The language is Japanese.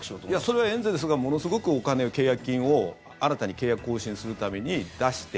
それはエンゼルスがものすごくお金を、契約金を新たに契約更新するために出して。